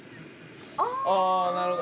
◆あ、なるほど。